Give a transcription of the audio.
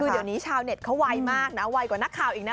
เดี๋ยวนี้ชาวเน็ตเขาไวมากนะไวกว่านักข่าวอีกนะ